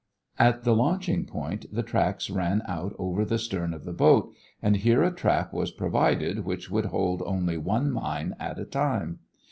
At the launching point the tracks ran out over the stern of the boat and here a trap was provided which would hold only one mine at a time.